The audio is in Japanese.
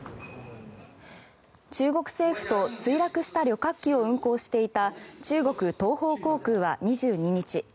中国政府と墜落した旅客機を運航していた中国東方航空は２２日